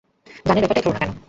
গানের ব্যাপারটাই ধরো না কেন।